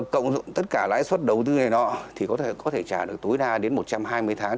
cộng tất cả lãi suất đầu tư này có thể trả được tối đa đến một trăm hai mươi tháng